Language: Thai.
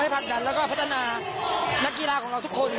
ผลักดันแล้วก็พัฒนานักกีฬาของเราทุกคน